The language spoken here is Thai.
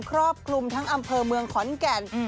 ครอบคลุมทั้งอำเภอเมืองขอนแก่น